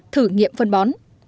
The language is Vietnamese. thử nghiệm phân bón